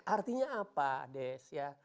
artinya apa des